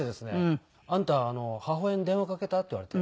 「あんた母親に電話かけた？」って言われて。